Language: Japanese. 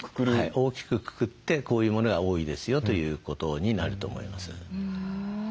大きくくくってこういうものが多いですよということになると思います。